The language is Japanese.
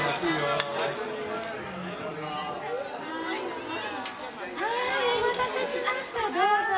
はいお待たせしましたどうぞ。